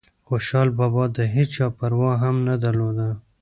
خوشحال بابا دهيچا پروا هم نه درلوده